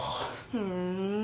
ふん。